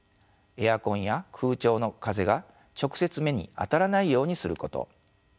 エアコンや空調の風が直接目にあたらないようにすること